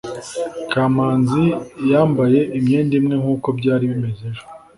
kamanzi yambaye imyenda imwe nkuko byari bimeze ejo